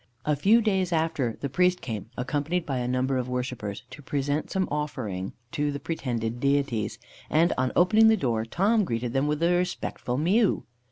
A few days after, the priest came, accompanied by a number of worshippers, to present some offering to the pretended deities; and, on opening the door, Tom greeted them with a respectful mew.